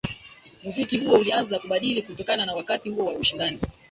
Muziki huo ulianza kubadilika kutokana na wakati huo wa ushindani